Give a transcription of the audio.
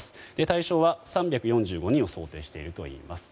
対象は３４５人を想定しているといいます。